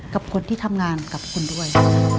กับคนที่ทำงานกับคุณด้วย